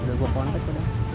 udah gue kontak udah